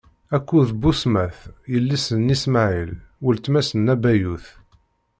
Akked Busmat, yelli-s n Ismaɛil, weltma-s n Nabayut.